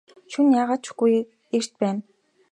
Шөнө яагаа ч үгүй эрт байна.